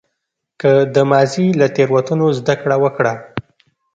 که د ماضي له تېروتنو زده کړه وکړه.